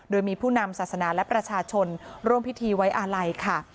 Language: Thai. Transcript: โดยมีผู้นำศาสนาและประชาชนร่วมพิธีไว้อาลัยค่ะ